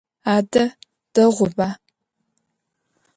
Адэ дэгъуба.